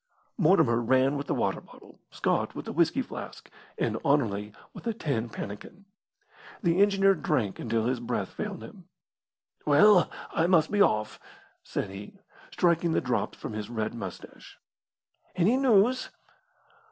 Mortimer ran with the water bottle, Scott with the whisky flask, and Anerley with the tin pannikin. The engineer drank until his breath failed him. "Well, I must be off," said he, striking the drops from his red moustache. "Any news?"